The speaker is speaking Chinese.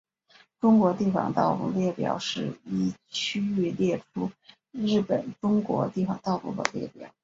中国地方道路列表是依区域列出日本中国地方道路的列表。